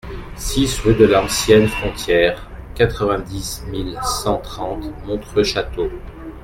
six rue de l'Ancienne Frontière, quatre-vingt-dix mille cent trente Montreux-Château